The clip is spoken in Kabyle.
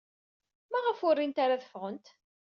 Maɣef ur rint ara ad ffɣent?